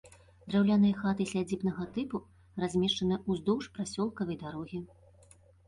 Драўляныя хаты сядзібнага тыпу размешчаны ўздоўж прасёлкавай дарогі.